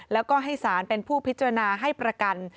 แล้วก็ให้สารเป็นผู้พิจารณาให้ประกัน